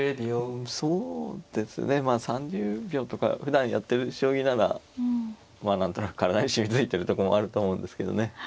そうですねまあ３０秒とかふだんやってる将棋ならまあ何となく体に染みついてるとこもあると思うんですけどね。